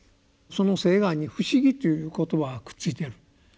その「誓願」に「不思議」という言葉がくっついている。